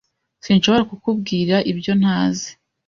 Sinshobora kukubwira ibyo ntazi.